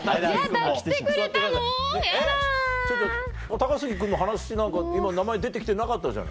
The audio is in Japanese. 高杉君の話なんか今名前出て来てなかったじゃない。